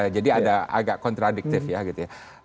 jadi ada agak kontradiktif ya gitu ya